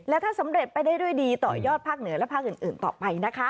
และถ้าสำเร็จไปได้ด้วยดีต่อยอดภาคเหนือและภาคอื่นต่อไปนะคะ